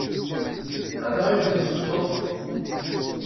Anda ay tent-tselxeḍ?